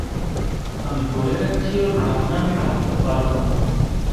আমি বলে রাখছি ওর ভাবনা আমি ভাবতে পারব না।